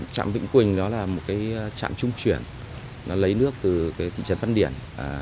trạm vĩnh quỳnh đó là một trạm trung chuyển nó lấy nước từ thị trấn văn điển